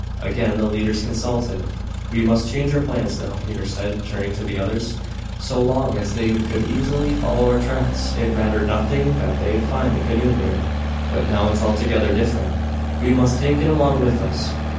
Again the leaders consulted. "We must change our plans, now," Peter said, turning to the others. "So long as they could easily follow our tracks it mattered nothing that they'd find the canoe here; but now it's altogether different. We must take it along with us."